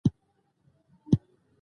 زه د فلم نندارې لپاره ځنډ کوم.